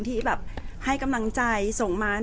แต่ว่าสามีด้วยคือเราอยู่บ้านเดิมแต่ว่าสามีด้วยคือเราอยู่บ้านเดิม